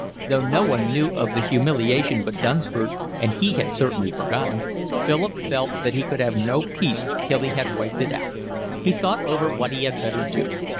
Though no one knew of the humiliation but Dunsford, and he had certainly forgotten, Philip felt that he could have no peace till he had wiped it out. He thought over what he had better do.